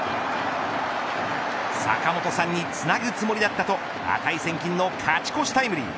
坂本さんにつなぐつもりだったと値千金の勝ち越しタイムリー。